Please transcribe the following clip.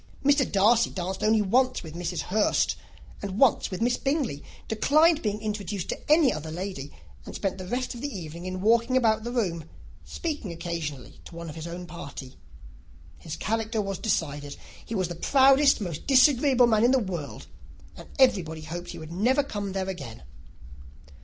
Mr. Darcy danced only once with Mrs. Hurst and once with Miss Bingley, declined being introduced to any other lady, and spent the rest of the evening in walking about the room, speaking occasionally to one of his own party. His character was decided. He was the proudest, most disagreeable man in the world, and everybody hoped that he would never come there again.